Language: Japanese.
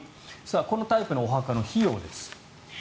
このタイプのお墓の費用です。